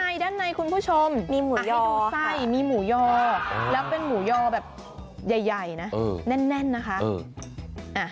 อุ้ยด้านในคุณผู้ชมมีหมูย่อแล้วเป็นหมูย่อแบบใหญ่นะแน่นนะคะ